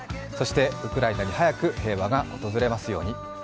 そして、ウクライナに早く平野が訪れますように。